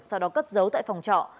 sau đó cất giấu tại phòng trọ